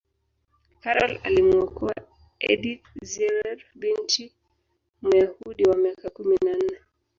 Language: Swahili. karol alimuokoa edith zierer binti muyahudi wa miaka kumi na nne